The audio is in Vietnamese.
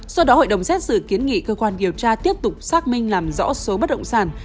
do đó hội đồng xét xử kiến nghị cơ quan điều tra tiếp tục xác minh làm rõ số bất động sản